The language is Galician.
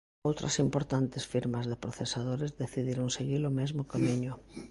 Outras importantes firmas de procesadores decidiron seguir o mesmo camiño.